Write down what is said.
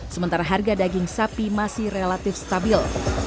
sementara harga daging sapi masih relatif stabil